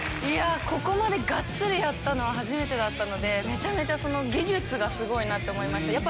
ここまでガッツリやったの初めてだったのでめちゃめちゃ技術がすごいなと思いました。